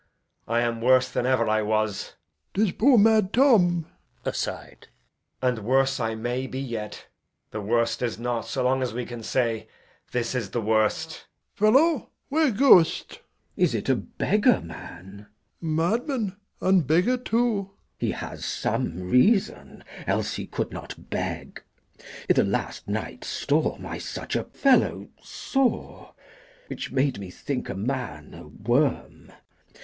I am worse than e'er I was. Old Man. 'Tis poor mad Tom. Edg. [aside] And worse I may be yet. The worst is not So long as we can say 'This is the worst.' Old Man. Fellow, where goest? Glou. Is it a beggarman? Old Man. Madman and beggar too. Glou. He has some reason, else he could not beg. I' th' last night's storm I such a fellow saw, Which made me think a man a worm.